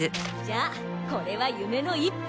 「じゃあこれは夢の一歩だ」